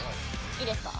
いいですか？